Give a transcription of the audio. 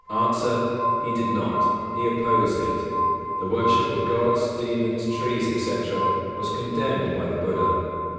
_ A. He did not; he opposed it. The worship of gods, demons, trees, etc., was condemned by the Buddha.